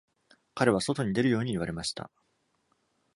彼は外に出るように言われました